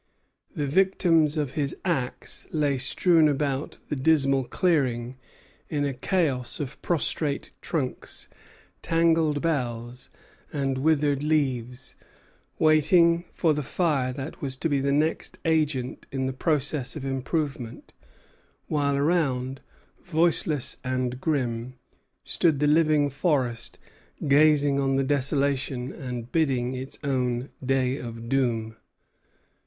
The victims of his axe lay strewn about the dismal "clearing" in a chaos of prostrate trunks, tangled boughs, and withered leaves, waiting for the fire that was to be the next agent in the process of improvement; while around, voiceless and grim, stood the living forest, gazing on the desolation, and biding its own day of doom.